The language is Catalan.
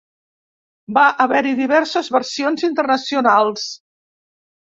Va haver-hi diverses versions internacionals.